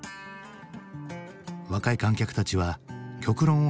若い観客たちは極論を吐き